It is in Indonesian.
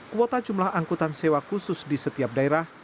kuota jumlah angkutan sewa khusus di setiap daerah